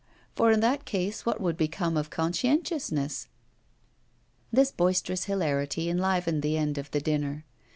For in that case what would become of conscientiousness? This boisterous hilarity enlivened the end of the dinner.